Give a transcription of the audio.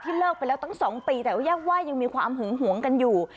เลิกไปแล้วตั้ง๒ปีแต่ว่าแยกว่ายังมีความหึงหวงกันอยู่